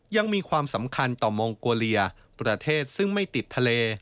ยังมีความสำคัญต่อมองโกเลียประเทศซึ่งไม่ติดทะเล